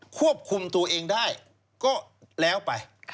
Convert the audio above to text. ควบคุมตัวเองได้ก็แล้วไป